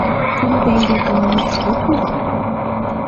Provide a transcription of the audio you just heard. Кум теҥге тыланет шот мо?